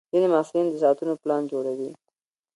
ځینې محصلین د ساعتونو پلان جوړوي.